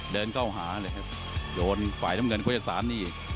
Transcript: เดินเข้าหาเลยครับโดนฝ่ายน้ำเงินโฆษศาลนี่